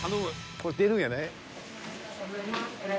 これ出るんやない？］